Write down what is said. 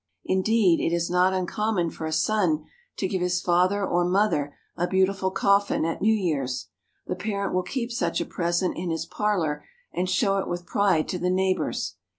Indeed, it is not uncommon for a son to give his father or mother a beautiful coffin at New Year's. The parent will keep such a present in his parlor and show it with pride to the neigh bors.